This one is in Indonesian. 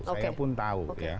saya pun tahu